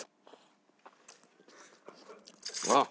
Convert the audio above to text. あっ。